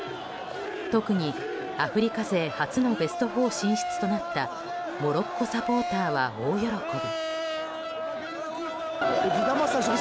特にアフリカ勢初のベスト４進出となったモロッコサポーターは大喜び。